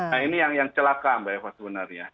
nah ini yang celaka mbak eva sebenarnya